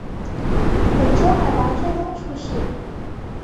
本州海拔最高处是。